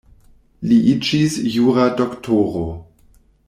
Li iĝis jura doktoro.